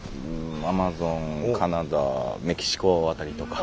アマゾンカナダメキシコ辺りとか。